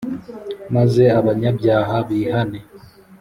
maze abanyabyaha bihane.